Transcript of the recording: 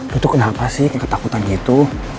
lo tuh kenapa sih ketakutan gitu